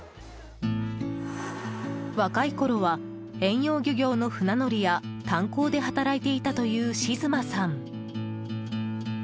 若いころは、遠洋漁業の船乗りや炭鉱で働いていたというしずまさん。